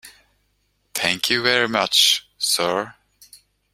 Thank you very much, sir.